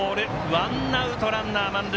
ワンアウト、ランナー満塁。